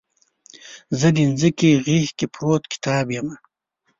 زه دمځکې غیږ کې پروت کتاب یمه